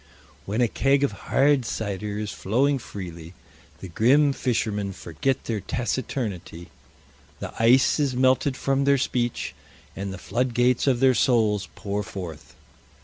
When a keg of hard cider is flowing freely the grim fishermen forget their taciturnity, the ice is melted from their speech, and the floodgates of their souls pour forth.